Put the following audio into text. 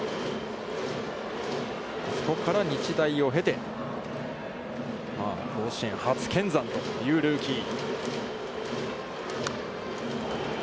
そこから日大を経て、甲子園初見参というルーキー。